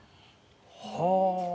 はあ！